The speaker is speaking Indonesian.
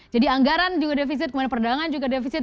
jadi anggaran juga defisit kemudian perdagangan juga defisit